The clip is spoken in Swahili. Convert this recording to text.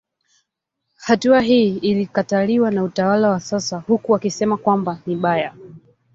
Hatua hii ilikataliwa na utawala wa sasa huku wakisema kwamba ni mbaya